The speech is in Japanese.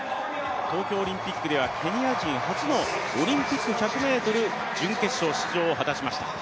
東京オリンピックではケニア人初のオリンピック１００ｍ準決勝進出を果たしました。